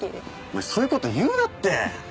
お前そういう事言うなって。